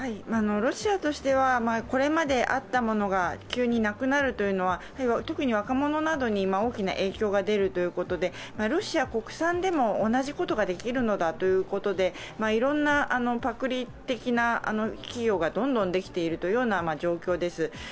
ロシアとしてはこれまであったものが急になくなるというのは特に若者などに大きな影響が出るということで、ロシア国産でも同じことができるのだということで、いろんなパクリ的な企業がどんどんできている状況です。